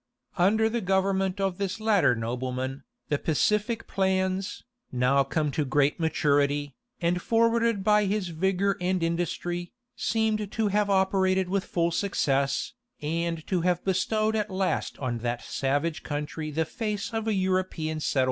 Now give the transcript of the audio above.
Under the government of this latter nobleman, the pacific plans, now come to great maturity, and forwarded by his vigor and industry, seemed to have operated with full success, and to have bestowed at last on that savage country the face of a European settlement.